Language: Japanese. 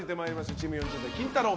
チーム４０代、キンタロー。